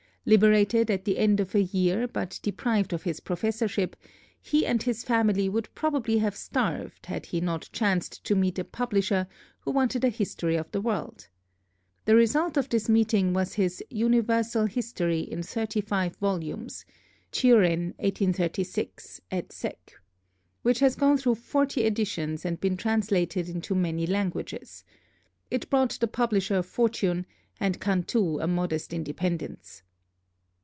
Liberated at the end of a year, but deprived of his professorship, he and his family would probably have starved had he not chanced to meet a publisher who wanted a history of the world. The result of this meeting was his 'Universal History' in thirty five volumes (Turin, 1836 et seq.), which has gone through forty editions and been translated into many languages. It brought the publisher a fortune and Cantù a modest independence.